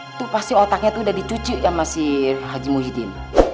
itu pasti otaknya itu udah dicuci sama si haji muhyiddin